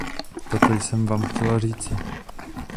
Toto jsem vám chtěla říci.